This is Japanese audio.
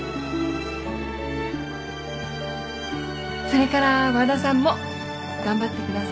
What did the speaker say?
それから和田さんも頑張ってくださいね。